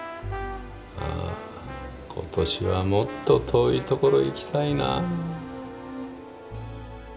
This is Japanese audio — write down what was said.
あ今年はもっと遠いところ行きたいな。